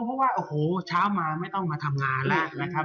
เพราะว่าโอ้โหเช้ามาไม่ต้องมาทำงานแล้วนะครับ